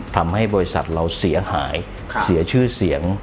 ทำให้บริษัทเราเสียหายเสียชื่อเสียง